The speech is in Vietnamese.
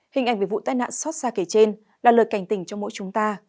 hình ảnh về vụ tai nạn xót xa kể trên là lời cảnh tỉnh cho mỗi chúng ta